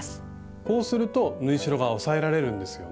こうすると縫い代が押さえられるんですよね。